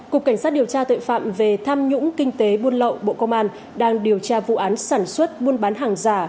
cục cảnh sát điều tra tội phạm về tham nhũng kinh tế buôn lậu bộ công an đang điều tra vụ án sản xuất buôn bán hàng giả